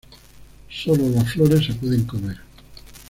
Sólo las flores se pueden comer.